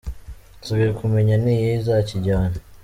Hasigaye kumenya ni iyihe izakijyana ?.